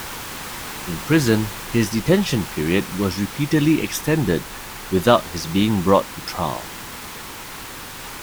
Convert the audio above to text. In prison his detention period was repeatedly extended without his being brought to trial.